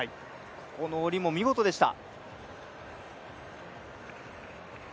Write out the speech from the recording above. ここの下りも見事でした。